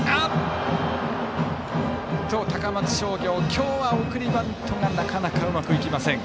高松商業、今日は送りバントがなかなかうまくいきません。